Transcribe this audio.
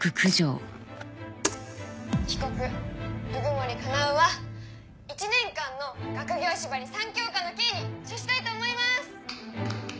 被告鵜久森叶は１年間の学業縛り３教科の刑に処したいと思います！